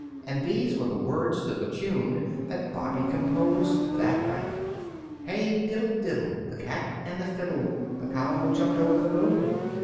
And these were the words to the tune that Bobby composed that night: Hey, diddle, diddle, The cat and the fiddle, The cow jumped over the moon!